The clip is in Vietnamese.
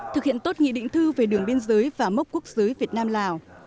thực hiện tốt nghị định thư về đường biên giới và mốc quốc giới việt nam lào